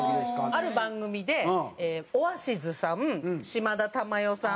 ある番組でオアシズさん島田珠代さん。